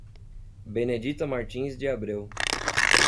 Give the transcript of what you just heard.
Benedita Martins de Abreu